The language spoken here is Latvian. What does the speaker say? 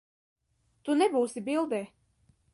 Tu nebūsi bildē.